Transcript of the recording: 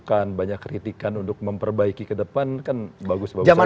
bukan banyak kritikan untuk memperbaiki ke depan kan bagus bagus saja